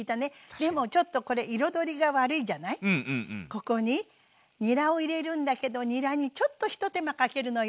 ここににらを入れるんだけどにらにちょっと一手間かけるのよ。